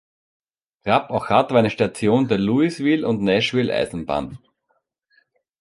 Crab Orchard war eine Station der Louisville und Nashville Eisenbahn.